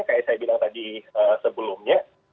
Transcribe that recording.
kayak saya bilang tadi sebelumnya